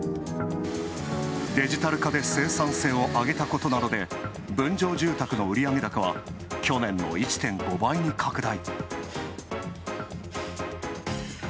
デジタル化で生産性を上げたことなどで、分譲住宅の売上高は去年の１．５倍に拡大。